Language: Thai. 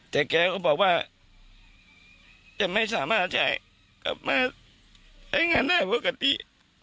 แต่แกก็บอกว่าจะไม่สามารถจะกลับมาใช้งานได้ปกติ